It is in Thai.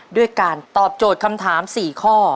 ด้วยการตอบโจทย์คำถาม๔ข้อ